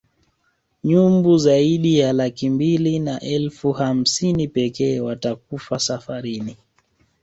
Nyumbu zaidi ya laki mbili na elfu hamsini pekee watakufa safarini